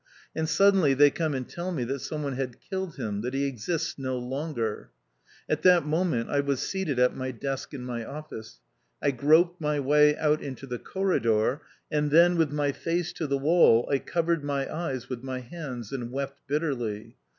And suddenly they come and tell me that some one had killed him, that he exists no longer ! At that moment I was seated at my desk in my office. I groped my way out into the corridor, and then, with my face to the wall, I covered my eyes with my hands and wept bitterly.